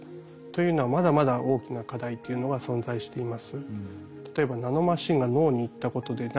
というのはまだまだ大きな課題というのが存在しています。